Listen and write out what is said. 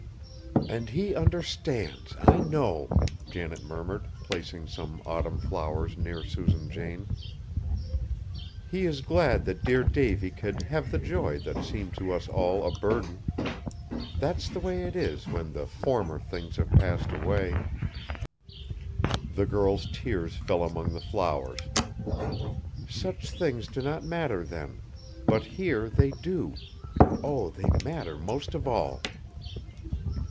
"And he understands, I know," Janet murmured, placing some autumn flowers near Susan Jane, "he is glad that dear Davy could have the joy that seemed to us all a burden. That's the way it is when the 'former things have passed away,'" the girl's tears fell among the flowers, "such things do not matter then; but here they do! Oh, they matter most of all!"